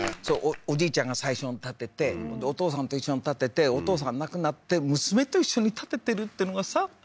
おじいちゃんが最初に建ててお父さんと一緒に建ててお父さんが亡くなって娘と一緒に建ててるっていうのがさ